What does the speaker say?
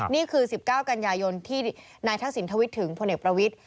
นี่คือ๑๙กัญญายนที่นายท่านสินทวิตถึงพเประวิท